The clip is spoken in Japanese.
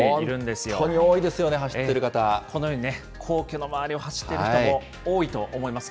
本当に多いですよね、走ってこのように皇居の周りを走っている人も多いと思います。